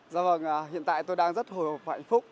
dạ vâng hiện tại tôi đang rất hồi hộp và hạnh phúc